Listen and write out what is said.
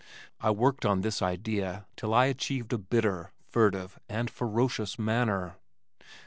I worked on this idea till I achieved a bitter, furtive and ferocious manner.